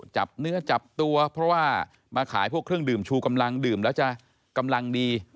จับเนื้อจับตัวเพราะว่ามาขายพวกเครื่องดื่มชูกำลังดื่มแล้วจะกำลังดี